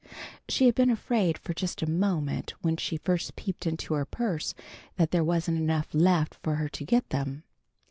She had been afraid for just a moment, when she first peeped into her purse, that there wasn't enough left for her to get them.